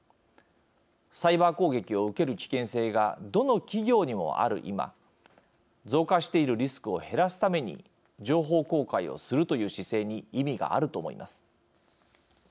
サイバー攻撃を受ける危険性がどの企業にもある今増加しているリスクを減らすために情報公開をするという姿勢に意味があると思います。